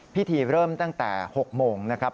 พิธีเริ่มตั้งแต่๖โมงนะครับ